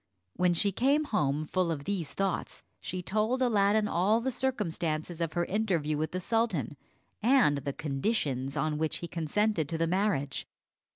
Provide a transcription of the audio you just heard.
When she came home, full of these thoughts, she told Aladdin all the circumstances of her interview with the sultan, and the conditions on which he consented to the marriage.